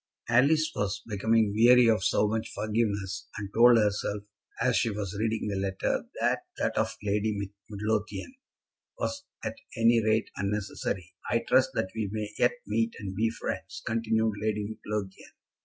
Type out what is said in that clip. Alice was becoming weary of so much forgiveness, and told herself, as she was reading the letter, that that of Lady Midlothian was at any rate unnecessary. "I trust that we may yet meet and be friends," continued Lady Midlothian.